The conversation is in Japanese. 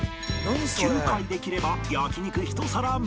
９回できれば焼肉１皿無料。